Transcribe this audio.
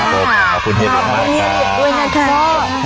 ค่ะขอบคุณเฮียเหลียงมากค่ะ